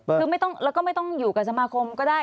คือแล้วก็ไม่ต้องอยู่กับสมาคมก็ได้